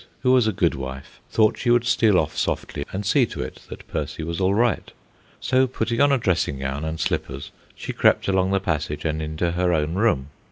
who was a good wife, thought she would steal off softly and see to it that Percy was all right. So, putting on a dressing gown and slippers, she crept along the passage and into her own room.